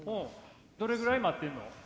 どれぐらい待ってるの？